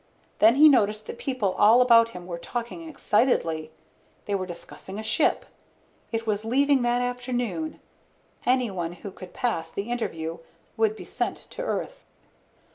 Then he noticed that people all about him were talking excitedly. They were discussing a ship. It was leaving that afternoon. Anyone who could pass the interview would be sent to Earth.